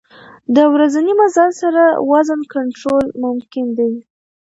د ورځني مزل سره وزن کنټرول ممکن دی.